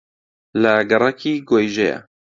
لە گەڕەکی گۆیژەیە